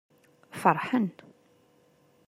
Feṛḥen.